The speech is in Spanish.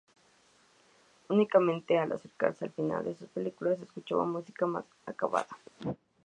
Únicamente al acercarse el final de sus películas se escucha música más "acabada".